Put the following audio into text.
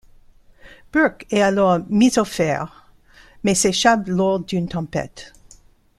Burke est alors mis aux fers mais s'échappe lors d'une tempête.